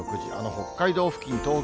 北海道付近、東北